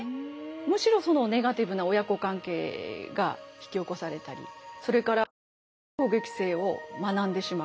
むしろネガティブな親子関係が引き起こされたりそれから強い攻撃性を学んでしまう。